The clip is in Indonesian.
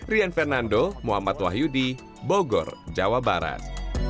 rian fernando muhammad wahyudi bogor jawa barat